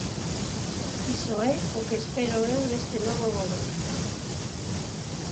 Iso é o que espero eu deste novo goberno.